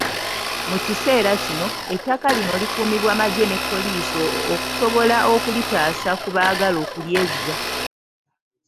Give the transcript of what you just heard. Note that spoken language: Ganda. Mu kiseera kino, ettaka lino likuumibwa magye ne poliisi okusobola okulitaasa ku baagala okulyezza.